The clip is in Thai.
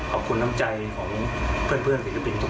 ขอบคุณต้องใจของเพื่อนศิลปินท์ทุกคนครับ